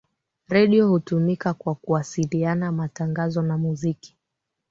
redio hutumika kwa kuwasiliana matangazo na muziki